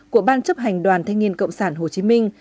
của ban chấp hành đoàn thanh niên cộng sản hồ chí minh